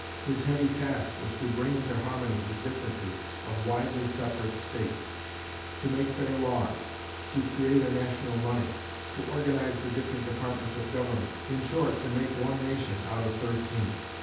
His heavy task was to bring into harmony the differences of widely separate States; to make fair laws; to create a national money; to organize the different departments of government in short, to make one nation out of thirteen.